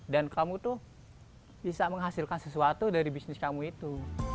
dan kamu tuh bisa menghasilkan sesuatu dari bisnis kamu itu